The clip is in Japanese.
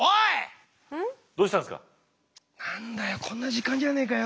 何だよこんな時間じゃねえかよ。